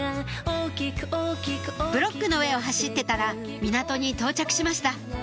ブロックの上を走ってたら港に到着しました